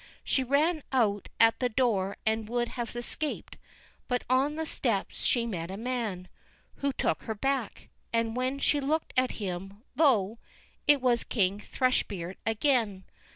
She ran out at the door and would have escaped; but on the steps she met a man, who took her back, and when she looked at him, lo! it was King Thrush beard again.